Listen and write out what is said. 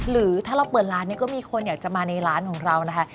หรือถ้าเราเปิดร้านเนี่ยก็มีคนอยากจะมาในร้านของเรานะคะ